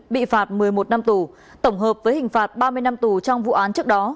bị phạt một mươi một năm tù tổng hợp với hình phạt ba mươi năm tù trong vụ án trước đó